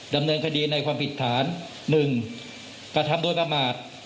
ดำเนินคดีในความผิดฐาน๑กระทำโดยประมาท